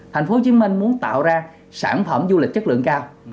thành phố hồ chí minh muốn tạo ra sản phẩm du lịch chất lượng cao